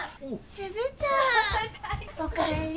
スズちゃん！お帰り。